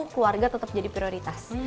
keluarga tetap jadi prioritas